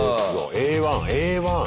Ａ１Ａ１。